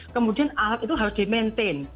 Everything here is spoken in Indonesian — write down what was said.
kemudian alat itu harus di maintain